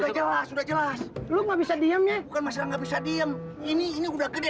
sudah jelas sudah jelas sudah jelas sudah jelas sudah jelas sudah jelas sudah jelas sudah jelas